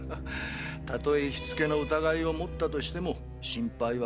たとえ火付けの疑いを持ったとしても心配はご無用。